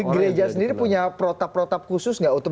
gereja sendiri punya protap protap khusus nggak untuk